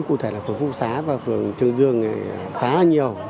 cụ thể là phường phúc xá và phường trường dương khá là nhiều